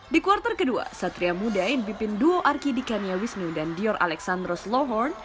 di kuartal kedua satria muda yang dipimpin duo arkidi kania wisnu dan dior alexandros lohorn